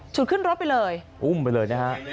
ฉุดขึ้นรถไปเลยอุ้มไปเลยนะครับ